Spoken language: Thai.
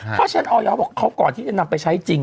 เพราะฉะนั้นออยเขาบอกเขาก่อนที่จะนำไปใช้จริง